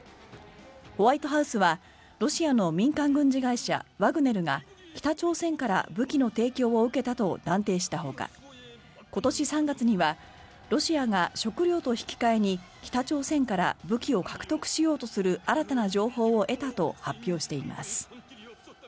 ホワイトハウスはロシアの民間軍事会社ワグネルが北朝鮮から武器の提供を受けたと断定したほか今年３月にはロシアが食料と引き換えに北朝鮮から武器を獲得しようとする新たな情報を得たと発表しています。